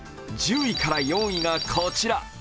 １０位から４位がこちら。